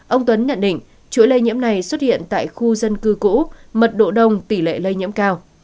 ông tuấn nhận định chuỗi lây nhiễm này xuất hiện tại khu dân cư cũ mật độ đông tỷ lệ lây nhiễm cao